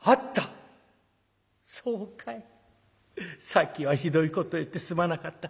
さっきはひどいこと言ってすまなかった。